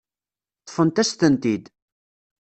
Ṭṭfent-as-tent-id.